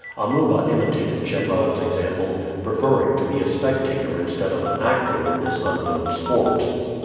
Amuba imitated Chebron's example, preferring to be a spectator instead of an actor in this unknown sport.